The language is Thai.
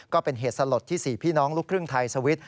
ก็เป็นเหตุสลดที่๔พี่น้องลูกครึ่งไทยสวิตช